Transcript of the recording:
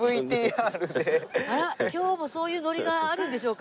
あら今日もそういうノリがあるんでしょうか？